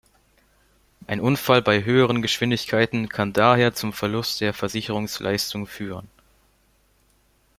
Ein Unfall bei höheren Geschwindigkeiten kann daher zum Verlust der Versicherungsleistung führen.